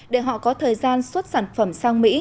để họ có thời gian xuất sản phẩm sang mỹ